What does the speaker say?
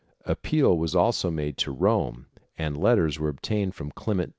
Appeal was also made to Rome and letters were obtained from Clement VII.